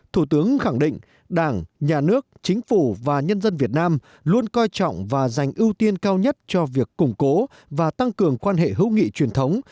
thủ tướng khẳng định đảng nhà nước chính phủ và nhân dân việt nam luôn coi trọng và dành ưu tiên cao nhất cho việc củng cố và tăng cường quan hệ hữu nghị truyền thống